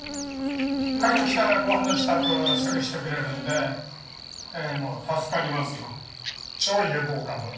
帰ってきたらご飯の支度すぐしてくれるのでええもう助かりますよ。